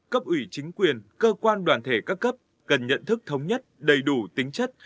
cấp ủy chính quyền cơ quan đoàn thể các cấp cần nhận thức thống nhất đầy đủ tính chất